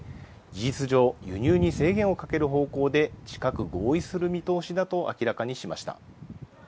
事実上輸入に制限をかける方向で近く合意する見通しだと明らかにしました。